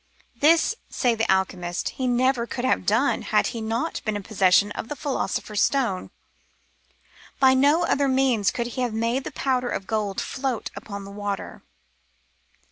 This, say the alchemists, he never could have done had he not been in possession of the Philo sopher's Stone ; by no other means could he have made the powder of gold float upon the water.